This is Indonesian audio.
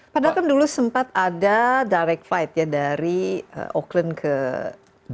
padahal kan dulu sempat ada direct flight ya dari auckland ke indonesia